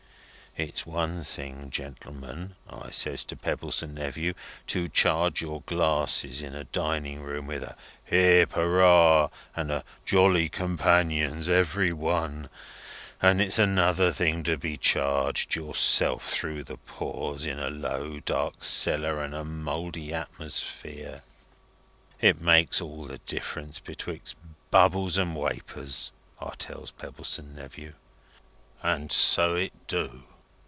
It's one thing, gentlemen,' I says to Pebbleson Nephew, 'to charge your glasses in a dining room with a Hip Hurrah and a Jolly Companions Every One, and it's another thing to be charged yourself, through the pores, in a low dark cellar and a mouldy atmosphere. It makes all the difference betwixt bubbles and wapours,' I tells Pebbleson Nephew. And so it do.